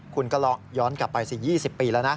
คุณก็ย้อนกลับไปสิ๒๐ปีแล้วนะ